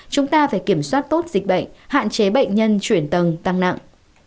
chúng ta phải kiểm soát tốt dịch bệnh hạn chế bệnh nhân chuyển tầng tăng nặng